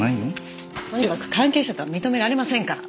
とにかく関係者とは認められませんから。